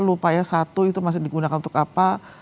lupa ya satu itu masih digunakan untuk apa